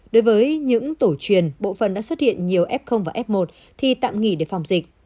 đối với những tổ truyền bộ phần đã xuất hiện nhiều f và f một thì tạm nghỉ để phòng dịch